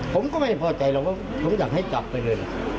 ผมก็ไม่พอใจหรอกว่าผมอยากให้จับไปเลย